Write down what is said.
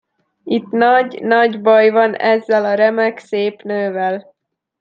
Itt nagy, nagy baj van ezzel a remek, szép nővel.